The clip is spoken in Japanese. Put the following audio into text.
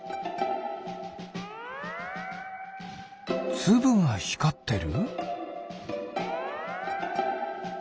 つぶがひかってる？